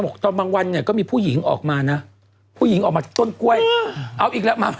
บอกพี่มดพิวส